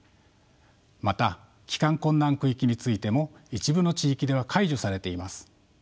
また帰還困難区域についても一部の地域では解除されています。